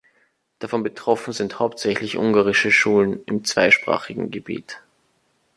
Davon betroffen sind hauptsächlich ungarische Schulen im zweisprachigen Gebiet.